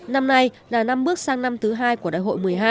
năm nay là năm bước sang năm thứ hai của đại hội một mươi hai